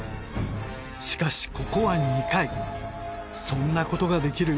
しかしここはそんなことができる